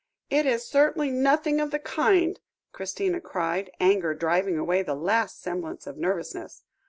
"It is certainly nothing of the kind," Christina cried, anger driving away the last semblance of nervousness.